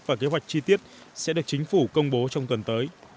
và kế hoạch chi tiết sẽ được chính phủ công bố trong tuần tới